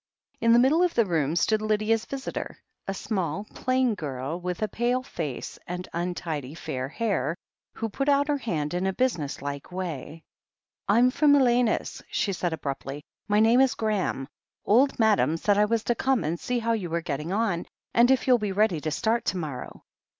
In the middle of the room stood Lydia's visitor, a small, plain girl, with a pale face and untidy fair hair, who put out her hand in a business like way. "Fm from Elena's," she said abruptly. "My name is Graham. Old Madam said I was to come and see how you were getting on, and if you'll be ready to start to morrow."